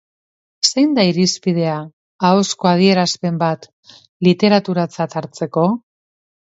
Zein da irizpidea ahozko adierazpen bat literaturatzat hartzeko?